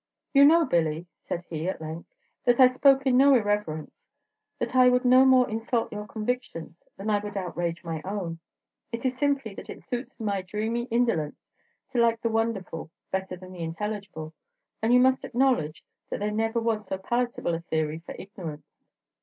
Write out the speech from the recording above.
"You know, Billy," said he, at length, "that I spoke in no irreverence; that I would no more insult your convictions than I would outrage my own. It is simply that it suits my dreamy indolence to like the wonderful better than the intelligible; and you must acknowledge that there never was so palatable a theory for ignorance."